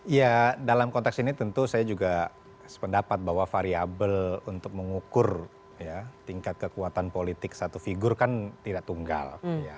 ya dalam konteks ini tentu saya juga sependapat bahwa variable untuk mengukur tingkat kekuatan politik satu figur kan tidak tunggal